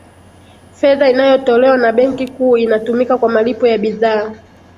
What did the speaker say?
fedha inayotolewa na benki kuu inatumika kwa malipo ya bidhaa